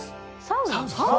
サウナ？